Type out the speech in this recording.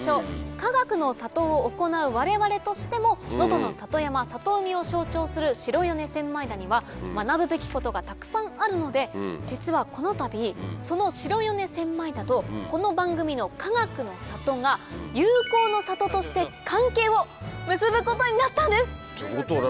かがくの里を行う我々としても能登の里山里海を象徴する白米千枚田には学ぶべきことがたくさんあるので実はこのたびその白米千枚田とこの番組のかがくの里が友好の里として関係を結ぶことになったんです！ってことは何？